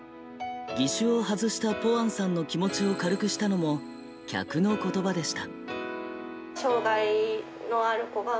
義手を外したぽわんさんの気持ちを軽くしたのも客の言葉でした。